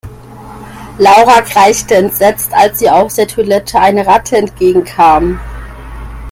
Laura kreischte entsetzt, als ihr aus der Toilette eine Ratte entgegenkam.